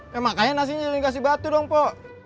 ya makanya nasinya yang dikasih batu dong pok